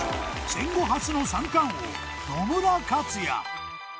戦後初の三冠王野村克也。